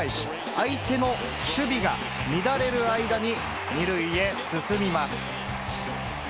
相手の守備が乱れる間に２塁へ進みます。